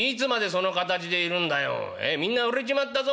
みんな売れちまったぞ」。